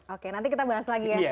oke nanti kita bahas lagi ya